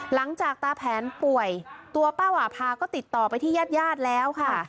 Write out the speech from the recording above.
หลังจากตาแผนป่วยตัวป้าหวาพาก็ติดต่อไปที่ญาติญาติแล้วค่ะ